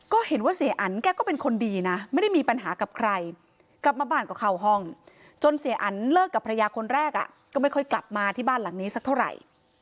ก็เห็นว่าเสียอันแกก็เป็นคนดีนะไม่ได้มีปัญหากับใครกลับมาบ้านก็เข้าห้องจนเสียอันเลิกกับภรรยาคนแรกก็ไม่ค่อยกลับมาที่บ้านหลังนี้สักเท่าไหร่